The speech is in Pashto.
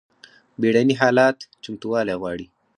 بیړني حالات چمتووالی غواړي